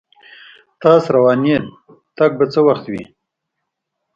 تاس روانیدتک به څه وخت وین